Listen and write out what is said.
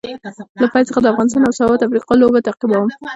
له پیل څخه د افغانستان او ساوت افریقا لوبه تعقیبوم